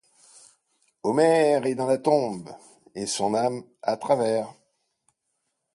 Homère est dans la tombe, et son âme, à travers